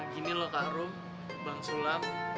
gini loh kak rum bang sulam